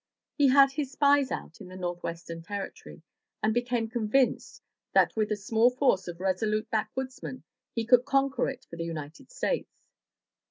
He had his spies out in the Northwestern Territory, and became convinced that with a small force of resolute backwoodsmen he could conquer it for the United States.